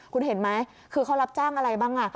คุณเห็นไหมคือเขารับจ้างอะไรบ้าง